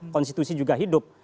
konstitusi juga hidup